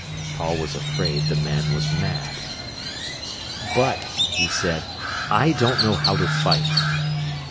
Paul was afraid the man was mad. "But," he said, "I don't know how to fight."